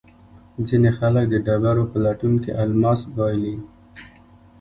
ځینې خلک د ډبرو په لټون کې الماس بایلي.